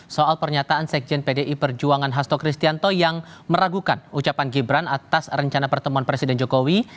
soal pernyataan sekjen pdi perjuangan hasto kristianto yang meragukan ucapan gibran atas rencana pertemuan presiden jokowi